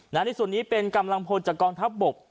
ในส่วนนี้เป็นกำลังพลจากกองทัพบก